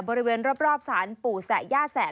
บริเวณรอบสารปู่แสะย่าแสะ